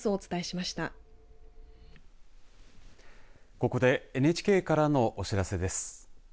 ここでＮＨＫからのお知らせです。